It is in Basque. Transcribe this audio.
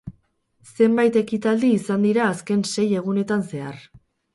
Zenbait ekitaldi izan dira azken sei egunetan zehar.